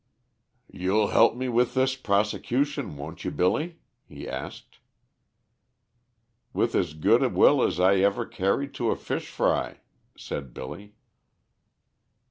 "You'll help me with this prosecution, won't you Billy?" he asked. "With as good a will as I ever carried to a fish fry," said Billy.